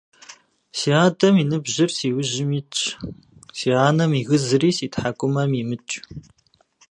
Си адэм и ныбжьыр си ужьым итщ, си анэм и гызри си тхьэкӏумэм имыкӏ.